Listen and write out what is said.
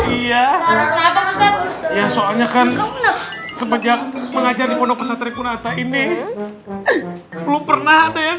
iya soalnya kan semenjak mengajar di pondok pesantren kunata ini belum pernah ada yang